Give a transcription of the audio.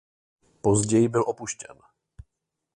Později byl opuštěn.